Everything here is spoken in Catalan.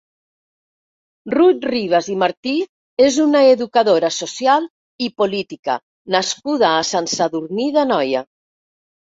Rut Ribas i Martí és una educadora social i política nascuda a Sant Sadurní d'Anoia.